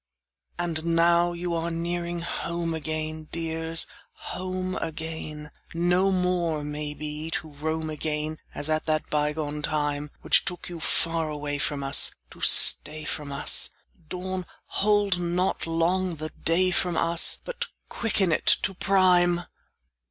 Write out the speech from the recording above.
IV And now you are nearing home again, Dears, home again; No more, may be, to roam again As at that bygone time, Which took you far away from us To stay from us; Dawn, hold not long the day from us, But quicken it to prime!